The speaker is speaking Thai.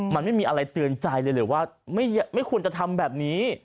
มันไม่มีอะไรเตือนใจเลยหรือว่าไม่ควรจะทำแบบนี้